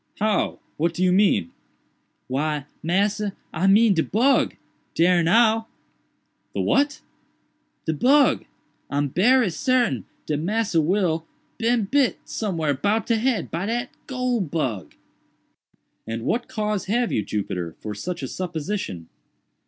"How? what do you mean?" "Why, massa, I mean de bug—dare now." "The what?" "De bug,—I'm berry sartain dat Massa Will bin bit somewhere 'bout de head by dat goole bug." "And what cause have you, Jupiter, for such a supposition?"